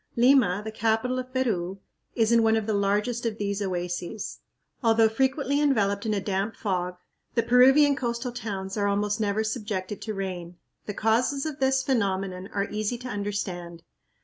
Lima, the capital of Peru, is in one of the largest of these oases. Although frequently enveloped in a damp fog, the Peruvian coastal towns are almost never subjected to rain. The causes of this phenomenon are easy to understand.